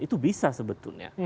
itu bisa sebetulnya